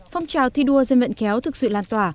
phong trào thi đua dân vận khéo thực sự lan tỏa